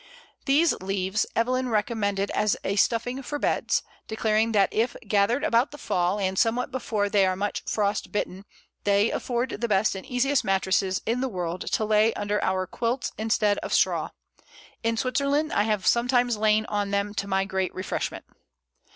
These leaves Evelyn recommended as a stuffing for beds, declaring that if "gathered about the fall, and somewhat before they are much frost bitten, [they] afford the best and easiest mattresses in the world to lay under our quilts instead of straw.... In Switzerland I have sometimes lain on them to my great refreshment."